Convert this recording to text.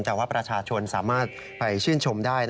แต่ว่าประชาชนสามารถไปชื่นชมได้